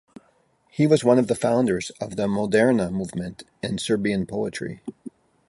He was one of the founders of the "Moderna" movement in Serbian poetry.